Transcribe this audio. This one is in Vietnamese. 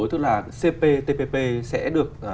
tức là cp tpp sẽ được